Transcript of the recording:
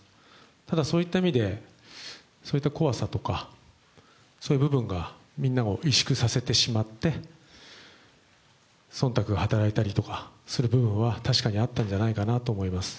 ただ、そういった意味で、そういった怖さとか、そういった部分がみんなを萎縮させてしまってそんたくが働いたりする部分はあったかと思います。